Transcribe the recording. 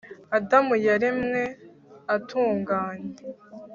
Adamu yaremwe atunganye